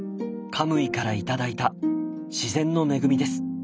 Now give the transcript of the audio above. カムイから頂いた自然の恵みです。